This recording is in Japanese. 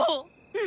うん！